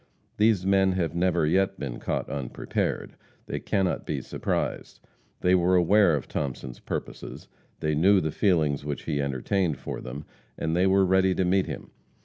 These men have never yet been caught unprepared they cannot be surprised. They were aware of Thomason's purposes, they knew the feelings which he entertained for them, and they were ready to meet him.